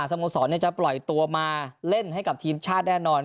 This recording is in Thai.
สโมสรจะปล่อยตัวมาเล่นให้กับทีมชาติแน่นอน